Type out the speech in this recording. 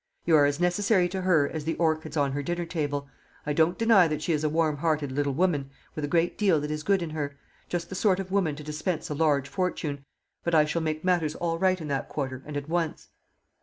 You are as necessary to her as the orchids on her dinner table. I don't deny that she is a warm hearted little woman, with a great deal that is good in her just the sort of woman to dispense a large fortune. But I shall make matters all right in that quarter, and at once."